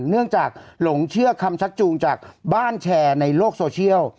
เนื่องจากหลงเชื่อคำชักจูงจากบ้านแชร์ในโลกโซเชียล